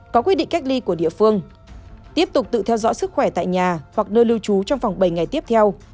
có quy định cách ly của địa phương tiếp tục tự theo dõi sức khỏe tại nhà hoặc nơi lưu trú trong vòng bảy ngày tiếp theo